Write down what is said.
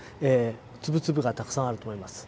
粒々がたくさんあると思います。